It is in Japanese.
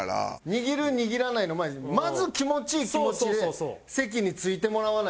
握る握らないの前にまず気持ちいい気持ちで席に着いてもらわないと。